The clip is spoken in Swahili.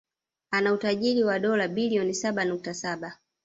Ana utajiri wa dola bilioni saba nukta saba